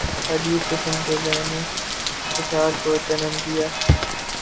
عجیب قسم کے ذہنی انتشار کو جنم دیا۔